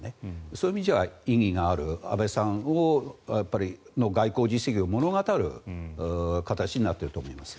そういう意味では意義がある安倍さんの外交実績を物語る形になっていると思います。